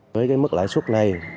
với mức lãi suất này